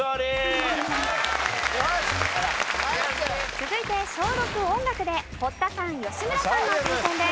続いて小６音楽で堀田さん吉村さんの挑戦です。